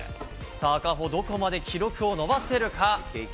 さあ、赤穂、どこまで記録を伸ばせるか？